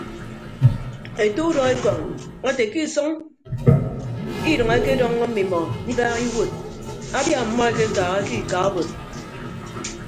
Ete udọekọñ ete ke isʌñ idʌñ ekedọññọ mmimọ ibaaha iwuod abia ọmmọ ekekaaha ke ika obod.